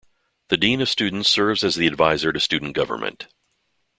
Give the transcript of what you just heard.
The dean of students serves as the advisor to student government.